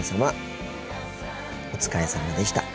お疲れさまでした。